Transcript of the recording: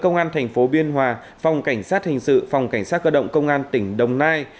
công an thành phố biên hòa phòng cảnh sát hình sự phòng cảnh sát cơ động công an tỉnh đồng nai